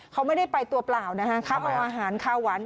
เขาไม่ได้ไปตัวเปล่านะคะเขาเอาอาหารข้าวหวาน